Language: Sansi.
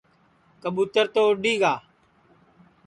کٻُوتر تو اُڈؔی گا